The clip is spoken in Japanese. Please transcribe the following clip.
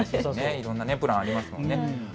いろんなプラン、ありますもんね。